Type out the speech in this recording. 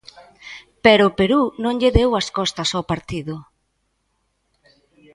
Pero Perú non lle deu as costas ao partido.